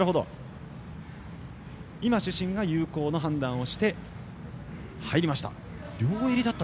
今、主審が有効の判断で入りました。